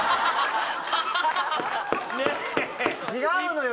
違うのよ！